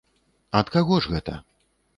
Ад каго ж гэта?